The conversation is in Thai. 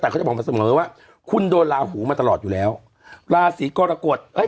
แต่เขาจะบอกมาเสมอว่าคุณโดนลาหูมาตลอดอยู่แล้วราศีกรกฎเอ้ย